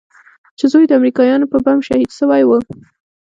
چې زوى يې د امريکايانو په بم شهيد سوى و.